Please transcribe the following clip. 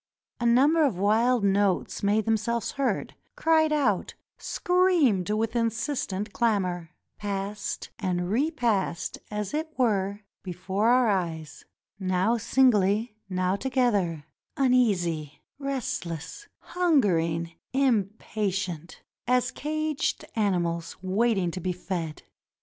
A num ber of wild notes made themselves heard, cried out, screamed with insistent clamor, passed and repassed as it were before our eyes; now singly, now together; uneasy, restless, hungering, impatient, as caged animals waiting to be fed.